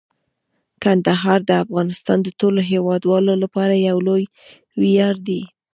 کندهار د افغانستان د ټولو هیوادوالو لپاره یو لوی ویاړ دی.